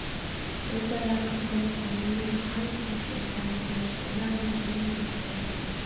ئۆزئارا قىزغىن، سەمىمىي، خالىس ھېسسىياتتا بولۇش دىللارنى سۆيۈندۈرىدۇ.